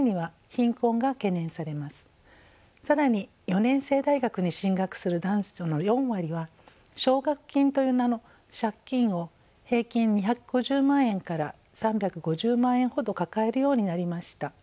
更に４年制大学に進学する男女の４割は奨学金という名の借金を平均２５０万円から３５０万円ほど抱えるようになりました。